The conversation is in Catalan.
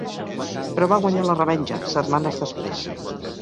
Però va guanyar la revenja, setmanes després.